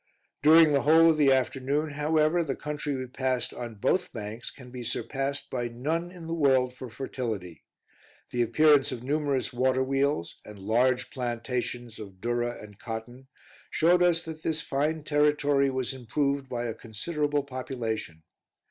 During the whole of the afternoon, however, the country we passed, on both banks, can be surpassed by none in the world for fertility; the appearance of numerous water wheels and large plantations of durra and cotton, showed us that this fine territory was improved by a considerable population.